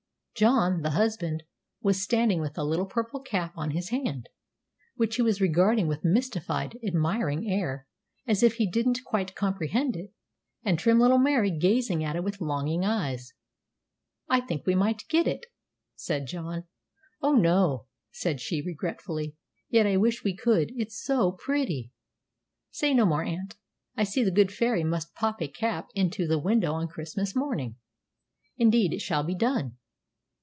John, the husband, was standing with a little purple cap on his hand, which he was regarding with mystified, admiring air, as if he didn't quite comprehend it, and trim little Mary gazing at it with longing eyes. "'I think we might get it,' said John. "'O, no,' said she, regretfully; 'yet I wish we could, it's so pretty!'" "Say no more, aunt. I see the good fairy must pop a cap into the window on Christmas morning. Indeed, it shall be done.